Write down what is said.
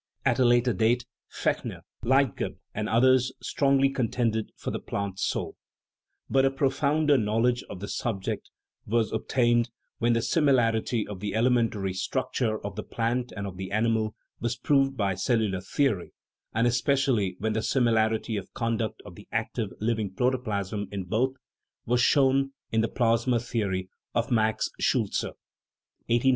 At a later date Fechner, Leit geb, and others strongly contended for the plant soul. But a profounder knowledge of the subject was ob THE RIDDLE OF THE UNIVERSE tained when the similarity of the elementary structure of the plant and of the animal was proved by the cellu lar theory, and especially when the similarity of con duct of the active, living protoplasm in both was shown in the plasma theory of Max Schultze (1859).